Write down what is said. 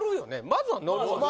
まずは乗るわな